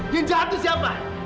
yang jahat itu siapa